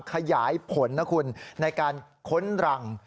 ขยายผลนะคุณในการค้นรัง